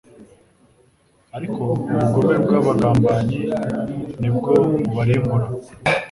ariko ubugome bw’abagambanyi ni bwo bubarimbura